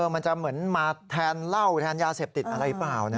มันจะเหมือนมาแทนเหล้าแทนยาเสพติดอะไรเปล่านะ